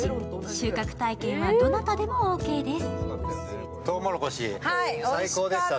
収穫体験はどなたでもオーケーです。